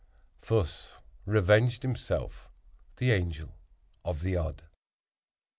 Thus revenged himself the Angel of the Odd.